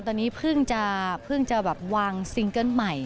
ตอนนี้เพิ่งจะแบบวางซิงเกิ้ลใหม่